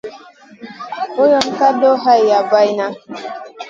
Boyen ka duh wa habayna.